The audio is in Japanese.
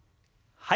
はい。